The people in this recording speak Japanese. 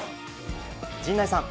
陣内さん。